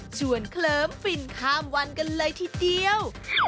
เคลิ้มฟินข้ามวันกันเลยทีเดียว